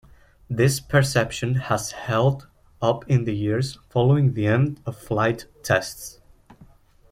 This perception has held up in the years following the end of flight tests.